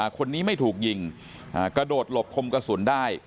คนนี้ไม่ถูกยิงกระโดดหลบคมกระสุนได้